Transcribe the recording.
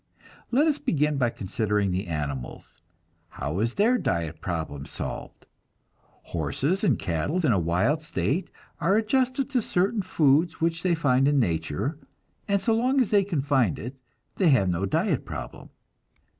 Let us begin by considering the animals. How is their diet problem solved? Horses and cattle in a wild state are adjusted to certain foods which they find in nature, and so long as they can find it, they have no diet problem.